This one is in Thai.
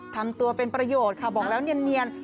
ทำตัวเป็นประโยชน์ค่ะบอกแล้วเนียน